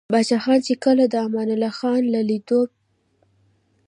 پاچاخان ،چې کله دې امان الله خان له ليدلو o